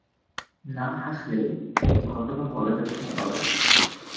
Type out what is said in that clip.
না-হাসলে এই ঘটনা বলা যাবে না বাবা!